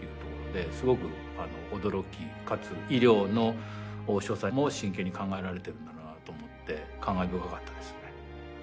すごく驚きかつ医療の所作も真剣に考えられてるんだと思って感慨深かったですね。